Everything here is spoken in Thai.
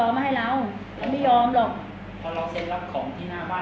ไม่ให้เราเราไม่ยอมหรอกพอเราเซ็นรับของที่หน้าบ้าน